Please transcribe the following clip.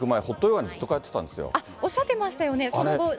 ーおとこ。、おっしゃってましたよね。